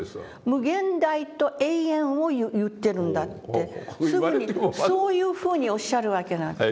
「無限大と永遠を言ってるんだ」ってそういうふうにおっしゃるわけなんです。